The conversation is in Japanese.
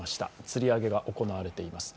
つり上げが行われています。